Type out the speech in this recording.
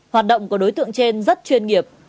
hoạt động của đối tượng trên rất chuyên nghiệp